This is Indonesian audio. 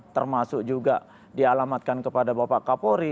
termasuk juga dialamatkan kepada bapak kapolri